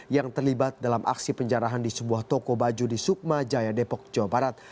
yang terlibat dalam aksi penjarahan di sebuah toko baju di sukma jaya depok jawa barat